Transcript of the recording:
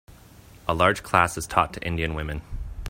A large class is taught to indian women.